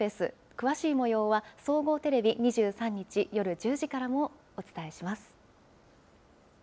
詳しいもようは、総合テレビ２３日夜１０時からもお伝えします。